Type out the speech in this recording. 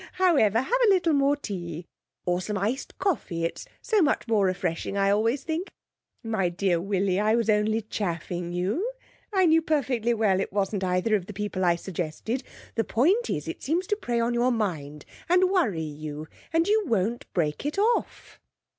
However, have a little more tea, or some iced coffee, it's so much more refreshing I always think. My dear Willie, I was only chaffing you. I knew perfectly well it wasn't either of the people I suggested. The point is, it seems to prey on your mind, and worry you, and you won't break it off.'